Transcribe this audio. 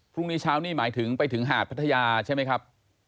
พรุ่งนี้เช้านี่หมายถึงไปถึงหาดพัทยาใช่ไหมครับ